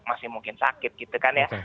masih mungkin sakit gitu kan ya